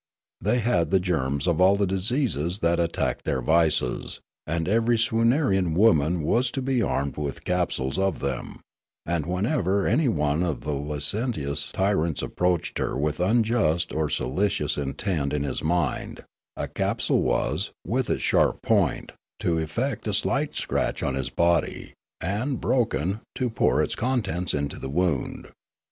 They had the germs of all the diseases that attacked their vices, and ever}' Swoonarian woman was to be armed w'ith capsules of them, and whenever any one of the licentious tyrants approached her with unjust or salacious intent in his mind, a capsule was, with its sharp point, to effect a Nookoo z^7 slight scratch on his body and, broken, to pour its con tents into the wound.